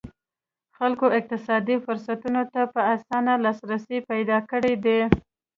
خلکو اقتصادي فرصتونو ته په اسانه لاسرسی پیدا کړی دی.